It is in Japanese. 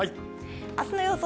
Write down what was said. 明日の予想